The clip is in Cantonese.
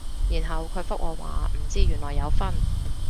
然後佢覆我話唔知原來有分